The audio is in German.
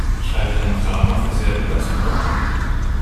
Ich halte Herrn Kramer für sehr belastbar.